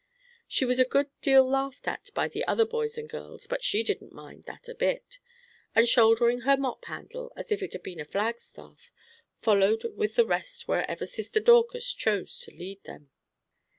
She was a good deal laughed at by the other boys and girls, but she didn't mind that a bit, and shouldering her mop handle as if it had been a flag staff, followed with the rest wherever Sister Dorcas chose to lead them.